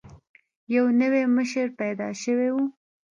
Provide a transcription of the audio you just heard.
یو نوی مشر پیدا شوی وو.